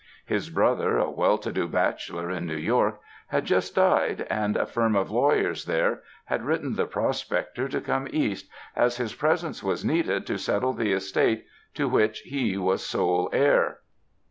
His brother, a well to do bachelor in New York, had just died, and a firm of lawyers there had written the prospector to come East, as his presence was needed to settle the estate to which he was sole heir.